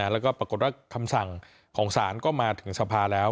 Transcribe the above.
แล้วก็ปรากฏว่าคำสั่งของศาลก็มาถึงสภาแล้ว